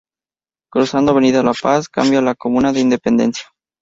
Cruzando Avenida La Paz, cambia a la comuna de Independencia.